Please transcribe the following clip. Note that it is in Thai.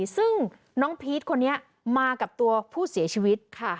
ซึ่งน้องพีชคนนี้มากับตัวผู้เสียชีวิตค่ะ